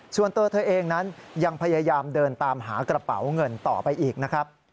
ส่วนตัวเธอเองนั้นยังพยายามเดินตามหากระเป๋าเงินต่อไปอีกนะครับ